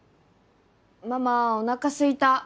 ママおなかすいた。